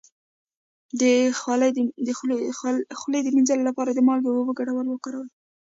د خولې د مینځلو لپاره د مالګې او اوبو ګډول وکاروئ